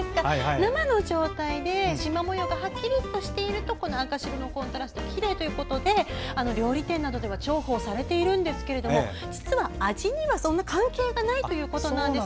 生の状態で、しま模様がはっきりとしていると赤白のコントラストがきれいということで料理店などでは重宝されているんですけど実は味にはそんなに関係がないということです。